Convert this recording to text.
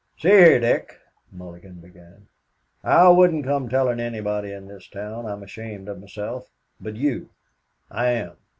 "See here, Dick," Mulligan began. "I wouldn't come telling anybody in this town I'm ashamed of myself but you I am.